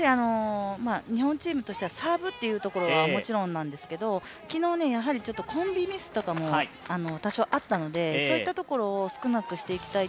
日本チームはサーブというところはもちろんなんですが、昨日コンビミスともあったので、そういったところも少なくしていきたい